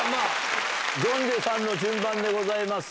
ジョンジェさんの順番でございます。